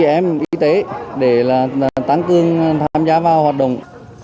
các em y tế để tăng cương tham gia vào hoạt động